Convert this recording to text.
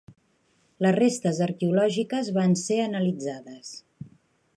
Les restes arqueològiques van ser analitzades.